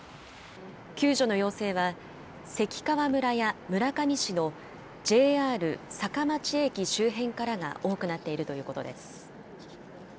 救助の要請は、関川村や村上市のＪＲ坂町駅周辺からが多くなっているということです。